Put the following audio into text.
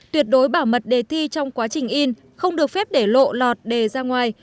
tuyệt đối bảo mật đề thi trong quá trình in không được phép để lộ lọt đề ra ngoài